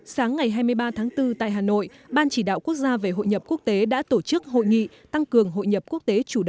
sáng ngày hai mươi ba tháng bốn tại hà nội ban chỉ đạo quốc gia về hội nhập quốc tế đã tổ chức hội nghị tăng cường hội nhập quốc tế chủ đáo